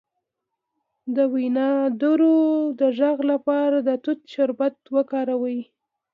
د وینادرو د غږ لپاره د توت شربت وکاروئ